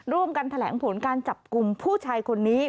ร่วมกันแถลงผลการจับกลุ่มผู้ชายคนนี้